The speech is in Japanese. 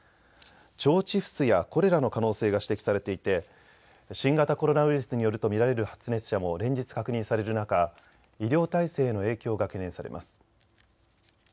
腸チフスやコレラの可能性が指摘されていて新型コロナウイルスによると見られる発熱者も連日確認される中、医療態勢の影響が懸念されます。